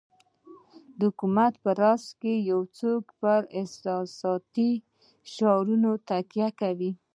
د حکومت په راس کې یو څوک پر احساساتي شعارونو تکیه کوي.